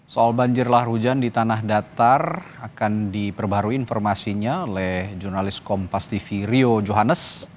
soal banjir lahar hujan di tanah datar akan diperbarui informasinya oleh jurnalis kompas tv rio johannes